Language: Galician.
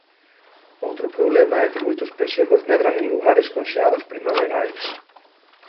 Outro problema é que moitos pexegos medran en lugares con xeadas primaverais.